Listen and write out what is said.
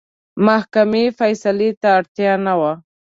محکمې فیصلې ته اړتیا نه وه.